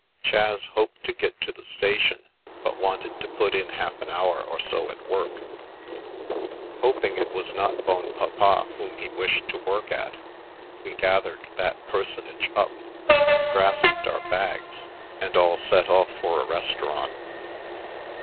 Chas hoped to get to the station, but wanted to put in half an hour or so at work. Hoping it was not Bonpapa whom he wished to work at, we gathered that personage up, grasped our bags, and all set off for a restaurant.